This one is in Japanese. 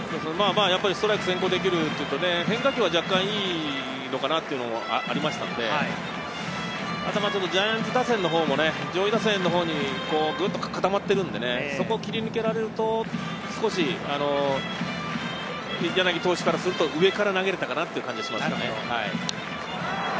ストライクを先行できる、変化球は若干いいのかなっていうのはありましたんで、あと、ジャイアンツ打線のほうも上位打線のほうにグッと固まっているんで、そこを切り抜けられると少し柳投手からすると上から投げれたかなっていう感じがしますね。